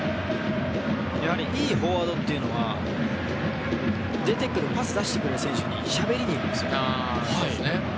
いいフォワードというのは出てくる、パス出してくる選手にしゃべりに行くんですよね。